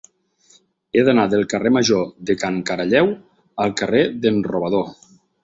He d'anar del carrer Major de Can Caralleu al carrer d'en Robador.